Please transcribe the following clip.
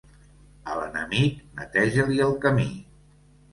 A l'enemic, neteja-li el camí.